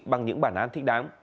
bằng những bản án thích đáng